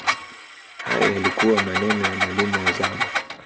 hayo yalikuwa maneno ya mwalimu wa zamu